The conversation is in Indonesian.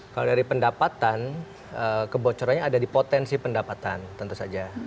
kalau dari pendapatan kebocorannya ada di potensi pendapatan tentu saja